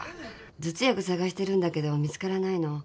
頭痛薬探してるんだけど見つからないの。